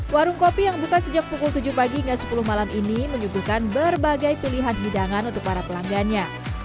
warung kopi yang buka sejak pukul tujuh pagi hingga sepuluh malam ini menyuguhkan berbagai pilihan hidangan untuk para pelanggannya